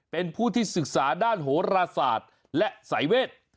เป็นผู้สึกษาด้านโหระสาธิ์และสัยเวท